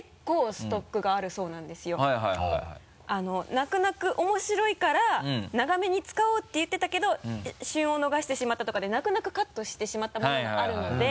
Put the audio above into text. なくなく面白いから長めに使おうって言ってたけど旬を逃してしまったとかでなくなくカットしてしまったものがあるので。